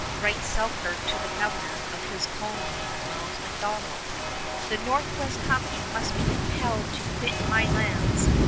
Writes Selkirk to the governor of his colony, Miles MacDonell: "_The Northwest Company must be compelled to quit my lands.